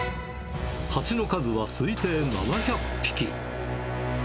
ハチの数は推定７００匹。